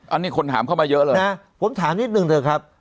อันนี้คนถามเข้ามาเยอะเลยนะผมถามนิดนึงเถอะครับ